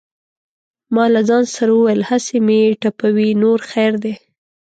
ما له ځانه سره وویل: هسې مې ټپوي نور خیر دی.